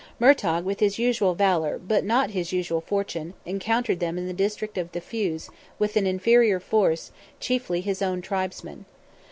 Murtogh with his usual valour, but not his usual fortune, encountered them in the district of the Fews, with an Inferior force, chiefly his own tribesmen.